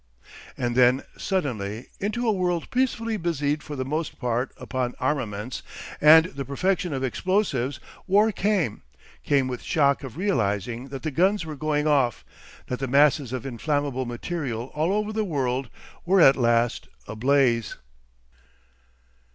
And then suddenly, into a world peacefully busied for the most part upon armaments and the perfection of explosives, war came; came the shock of realising that the guns were going off, that the masses of inflammable material all over the world were at last ablaze.